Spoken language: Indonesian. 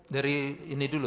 dari ini dulu